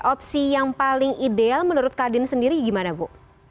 opsi yang paling ideal menurut kadin sendiri gimana bu